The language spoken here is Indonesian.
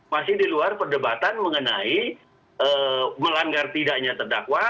masih di luar perdebatan mengenai melanggar tidaknya terdakwa